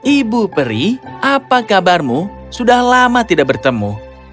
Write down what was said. ibu peri apa kabarmu sudah lama tidak bertemu